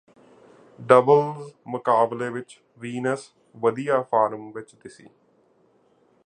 doubles ਮੁਕਾਬਲੇ ਵਿਚ Venus ਵਧੀਆ ਫਾਰਮ ਵਿਚ ਦਿਸੀ